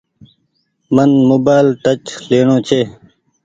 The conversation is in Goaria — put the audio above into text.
من موبآئيل ٽچ ليڻو ڇي۔